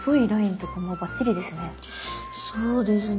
そうですね。